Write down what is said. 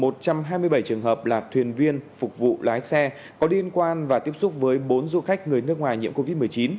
một trăm hai mươi bảy trường hợp là thuyền viên phục vụ lái xe có liên quan và tiếp xúc với bốn du khách người nước ngoài nhiễm covid một mươi chín